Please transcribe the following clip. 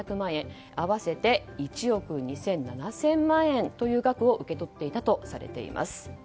合わせて１億２７００万円を受け取っていたとされています。